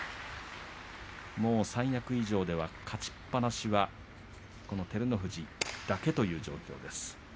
もう三役以上では勝ちっぱなしはこの照ノ富士だけという状況です。